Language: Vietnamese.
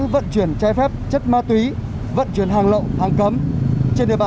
vậy anh không cảm ạ